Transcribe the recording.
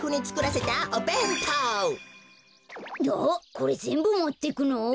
これぜんぶもってくの？